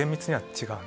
違う？